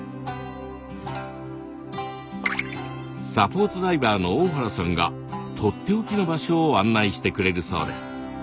サポートダイバーの大原さんがとっておきの場所を案内してくれるそうです。